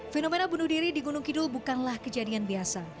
fenomena bunuh diri di gunung kidul bukanlah kejadian biasa